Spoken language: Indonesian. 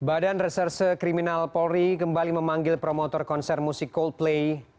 badan reserse kriminal polri kembali memanggil promotor konser musik coldplay